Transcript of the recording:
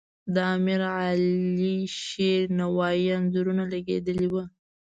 د امیر علیشیر نوایي انځورونه لګیدلي وو.